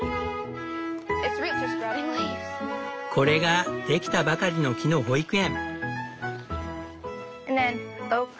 これができたばかりの木の保育園。